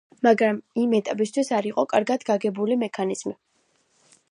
მაგრამ იმ ეტაპისთვის არ იყო კარგად გაგებული მექანიზმი.